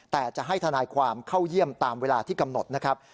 แต่จะให้ทนายความเข้าเยี่ยมตามเวลาที่กำหนดนะครับ